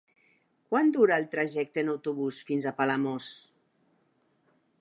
Quant dura el trajecte en autobús fins a Palamós?